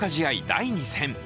第２戦。